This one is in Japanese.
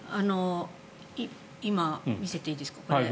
見せていいですか？